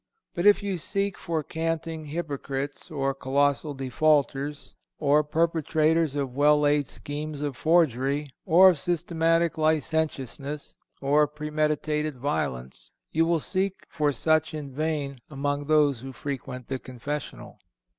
But if you seek for canting hypocrites, or colossal defaulters, or perpetrators of well laid schemes of forgery, or of systematic licentiousness, or of premeditated violence, you will seek for such in vain among those who frequent the confessional.